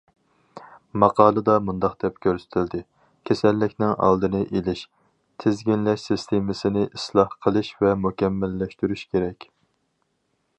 ماقالىدا مۇنداق دەپ كۆرسىتىلدى: كېسەللىكنىڭ ئالدىنى ئېلىش، تىزگىنلەش سىستېمىسىنى ئىسلاھ قىلىش ۋە مۇكەممەللەشتۈرۈش كېرەك.